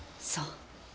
そう。